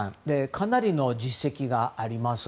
かなりの実績があります。